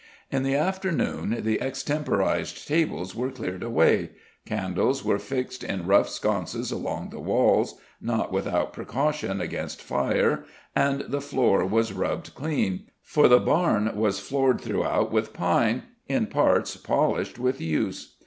In the afternoon the extemporized tables were cleared away, candles were fixed in rough sconces along the walls, not without precaution against fire, and the floor was rubbed clean for the barn was floored throughout with pine, in parts polished with use.